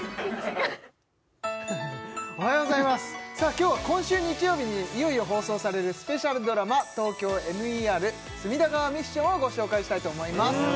今日は今週日曜日にいよいよ放送されるスペシャルドラマ「ＴＯＫＹＯＭＥＲ隅田川ミッション」をご紹介したいと思います